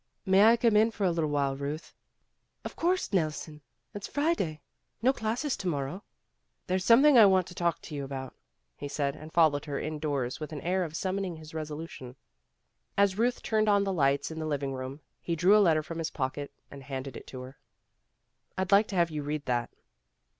"May I come in for a little while, Ruth?" "Of course, Nelson. It's Friday. No classes to morrow." "There's something I want to talk to you about," he said, and followed her indoors with an air of summoning his resolution. As Ruth turned on the lights in the living room, he drew a letter from his pocket and handed it to her. "I'd like to have you read that."